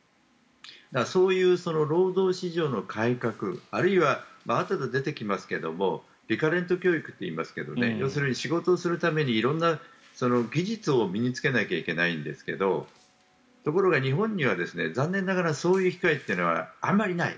そういう労働市場の改革あるいは、あとで出てきますがリカレント教育といいますが要するに仕事をするために色んな技術を身に着けなければいけないんですけどところが日本には残念ながらそういう機会というのはあまりない。